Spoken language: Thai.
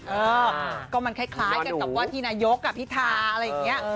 เออก็มันคล้ายกันกับว่าที่นายกกับพิธาอะไรอย่างนี้